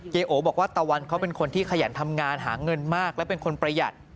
โอบอกว่าตะวันเขาเป็นคนที่ขยันทำงานหาเงินมากและเป็นคนประหยัด